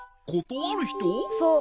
そう。